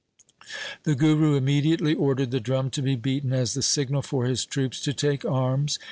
The Guru immediately ordered the drum to be beaten as the signal for his troops to take arms.